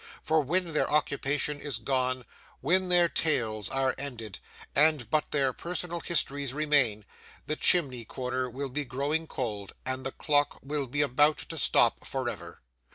For when their occupation is gone, when their tales are ended, and but their personal histories remain, the chimney corner will be growing cold, and the clock will be about to stop for ever.